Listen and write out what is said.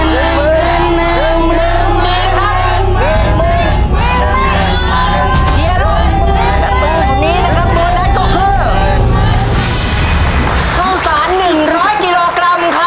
โบนัสตรงนี้นะครับโบนัสก็คือเข้าสารหนึ่งร้อยกิโลกรัมครับ